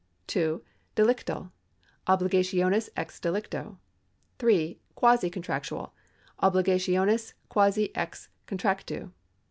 (2) Delictal — Obligationes ex delicto. (3) Quasi contractual — Obligationes quasi ex contractu.